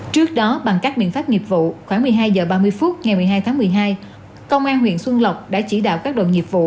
trước đó bằng các biện pháp nghiệp vụ khoảng một mươi hai h ba mươi phút ngày một mươi hai tháng một mươi hai công an huyện xuân lộc đã chỉ đạo các đội nghiệp vụ